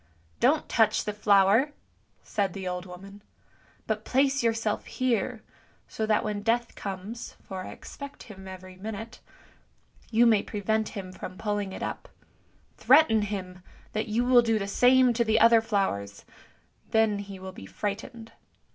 " Don't touch the flower," said the old woman, " but place yourself here, so that when Death comes (for I expect him every minute) you may prevent him from pulling it up; threaten him that you will do the same to the other flowers, then he will be frightened.